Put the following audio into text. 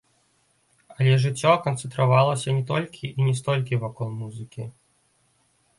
Але жыццё канцэнтравалася не толькі і не столькі вакол музыкі.